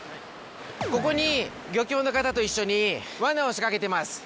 ここに漁協の方と一緒にわなを仕掛けてます。